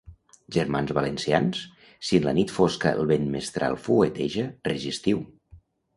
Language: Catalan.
Germans valencians, si en la nit fosca el vent mestral fueteja, resistiu!